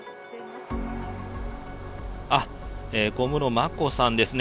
あっ、小室眞子さんですね。